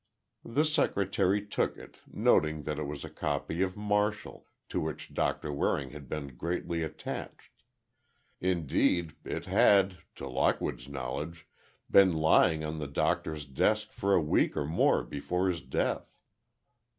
The secretary took it, noting that it was a copy of Martial, to which Doctor Waring had been greatly attached. Indeed, it had, to Lockwood's knowledge, been lying on the Doctor's desk for a week or more before his death.